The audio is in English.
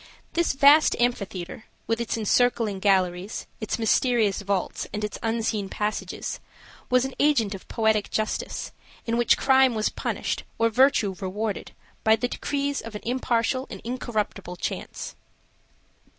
This vast amphitheater, with its encircling galleries, its mysterious vaults, and its unseen passages, was an agent of poetic justice, in which crime was punished, or virtue rewarded, by the decrees of an impartial and incorruptible chance.